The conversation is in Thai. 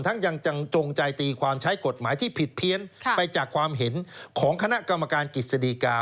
ยังจังจงใจตีความใช้กฎหมายที่ผิดเพี้ยนไปจากความเห็นของคณะกรรมการกิจสดีกา